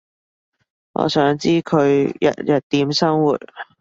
我想知佢日日點生活